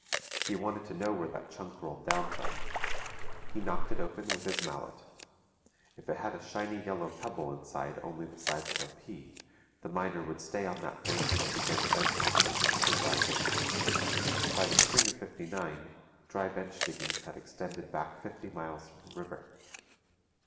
He wanted to know where that chunk rolled down from. He knocked it open with his mallet. If it had a shiny yellow pebble inside only the size of a pea, the miner would stay on that bank and begin bench diggings into the dry bank. By the spring of '59 dry bench diggings had extended back fifty miles from the river.